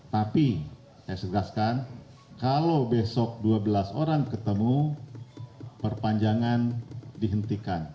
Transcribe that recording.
tapi saya segaskan kalau besok dua belas orang ketemu perpanjangan dihentikan